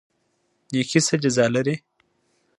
نیکي څه جزا لري؟